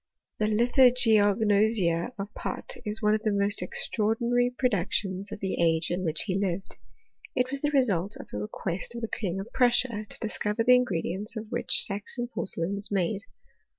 The Lithogeognosia of Pott is one of the most extraordinary productions of the age in which he lived. It was the result of a re quest of the King of Prussia, to discover the ingredients of which Saxon porcelain was made.